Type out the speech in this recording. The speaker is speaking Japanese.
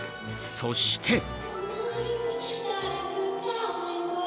そして。